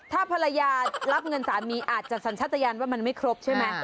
ถ้าภรรยารับเงินสามีอาจจะสัญชาติยานว่ามันไม่ครบใช่ไหม